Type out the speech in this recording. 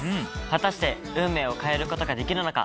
果たして運命を変えることができるのか？